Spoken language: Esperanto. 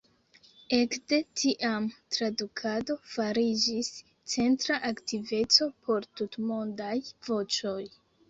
Ekde tiam tradukado fariĝis centra aktiveco por Tutmondaj Voĉoj.